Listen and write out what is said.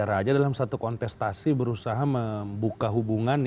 bukan saja dalam satu kontestasi berusaha membuka hubungan